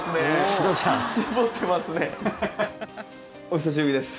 お久しぶりです。